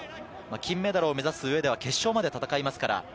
金メダルを目指す上では決勝まで戦いますから。